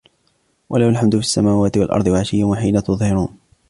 وله الحمد في السماوات والأرض وعشيا وحين تظهرون